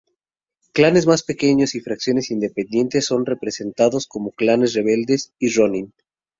Clanes más pequeños y facciones independientes son representados como clanes rebeldes y ronin.